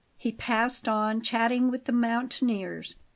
He passed on, chatting with the mountaineers.